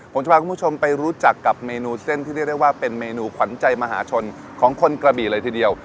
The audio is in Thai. ผมจะพาคุณผู้ชมไปรู้จักกับเมนูเส้นที่เรียกได้ว่าเป็นเมนูขวัญใจมหาชนของคนกระบี่เลยทีเดียว